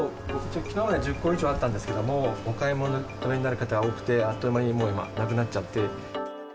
きのうまで１０個以上あったんですけれども、お買い求めになる方が多くて、あっという間に今、なくなっちゃって。